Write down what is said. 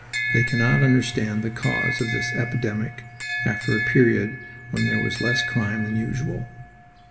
They cannot understand the cause of this epidemic after a period when there was less crime than usual.